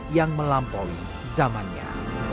yang melampaui zamannya